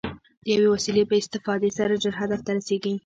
د یوې وسیلې په استفادې سره ژر هدف ته رسېږي.